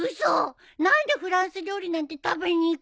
何でフランス料理なんて食べに行くの！？